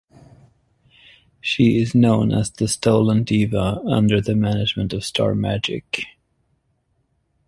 She is known as "The Stolen Diva", under the management of Star Magic.